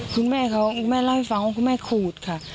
คุณแม่เขาเองแม่เล่าให้ฟังว่าคุณแม่ขูดค่ะ